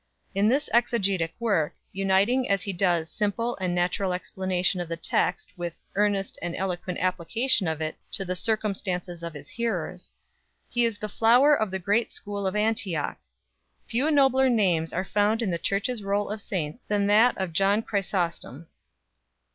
In this exegetic work, uniting as he does simple and natural explanation of the text with earnest and eloquent application of it to the circumstances of his hearers, he is the flower of the great School of Antioch. Few nobler names are found in the Church s roll of saints than that of John Chrysostom.